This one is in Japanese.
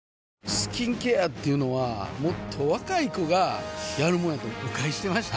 スキンケアっていうのはもっと若い子がやるもんやと誤解してました